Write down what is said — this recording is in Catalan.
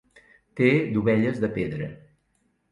Té dovelles de pedra.